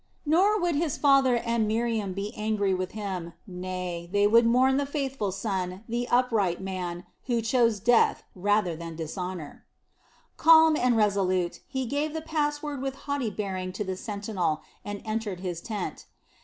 Nor would his father and Miriam be angry with him, nay, they would mourn the faithful son, the upright man, who chose death rather than dishonor. Calm and resolute, he gave the pass word with haughty bearing to the sentinel and entered his tent.